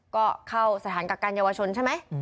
ก็เข้าสถานกักกันเยาวชนใช่ไหม